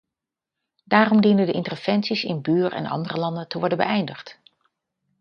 Daarom dienen de interventies in buur- en andere landen te worden beëindigd.